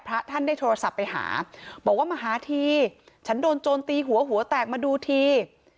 พระท่านได้โทรศัพท์ไปหาบอกว่ามาหาทีฉันโดนโจรตีหัวหัวแตกมาดูที